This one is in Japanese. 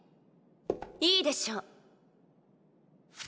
いいでしょう。